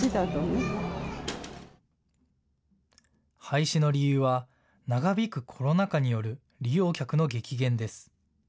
廃止の理由は長引くコロナ禍による利用客の激減です。